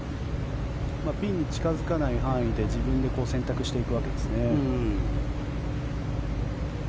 ピンに近付かない範囲で自分で選択していくわけですね。